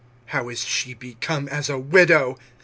how is she become as a widow!